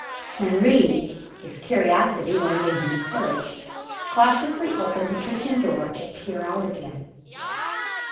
Henri, his curiosity lending him courage, cautiously opened the kitchen door to peer out again.